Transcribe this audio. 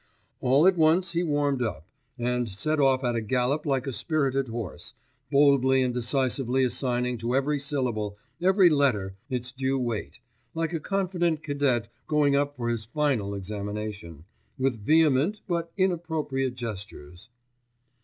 All at once he warmed up, and set off at a gallop like a spirited horse, boldly and decisively assigning to every syllable, every letter, its due weight, like a confident cadet going up for his 'final' examination, with vehement, but inappropriate gestures.